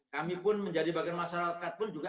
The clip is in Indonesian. kami pun menjadi bagian masyarakat pun juga